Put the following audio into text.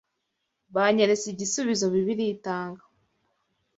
Banyeretse igisubizo Bibiliya itanga